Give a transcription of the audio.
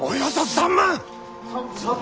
３万。